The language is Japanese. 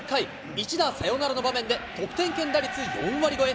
１打サヨナラの場面で、得点圏打率４割超え。